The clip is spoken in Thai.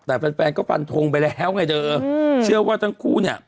แต่แฟนก็ฟันทงไปแล้วไงเจออืมเชื่อว่าทั้งกู้เนี้ย